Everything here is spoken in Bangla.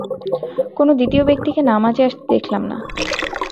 কোনো দ্বিতীয় ব্যক্তিকে নামাজে আসতে দেখলাম না।